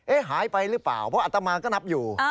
หายไปหรือเปล่าเพราะอัตมาก็นับอยู่